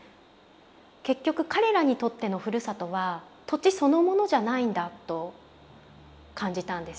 結局彼らにとってのふるさとは土地そのものじゃないんだと感じたんです。